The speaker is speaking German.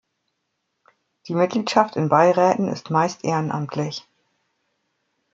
Die Mitgliedschaft in Beiräten ist meist ehrenamtlich.